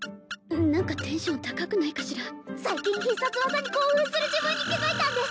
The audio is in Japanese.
何かテンション高くないかしら最近必殺技に興奮する自分に気づいたんです